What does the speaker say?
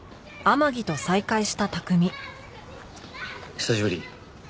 久しぶり。